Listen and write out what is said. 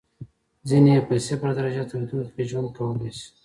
ځینې یې په صفر درجه تودوخې کې ژوند کولای شي.